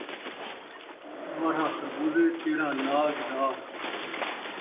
ٻارہاں خربوزے، تیرھاں لاڳ دار